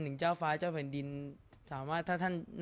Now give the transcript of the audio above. สงฆาตเจริญสงฆาตเจริญ